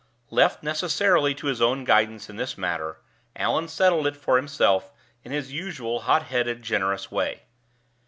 Left necessarily to his own guidance in this matter, Allan settled it for himself in his usual hot headed, generous way.